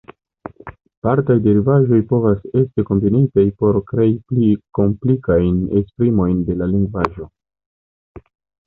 Partaj derivaĵoj povas esti kombinitaj por krei pli komplikajn esprimojn de la derivaĵo.